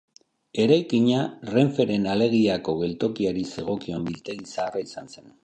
Eraikina Renferen Alegiako geltokiari zegokion biltegi zaharra izan zen.